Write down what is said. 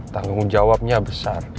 tanggung jawabnya besar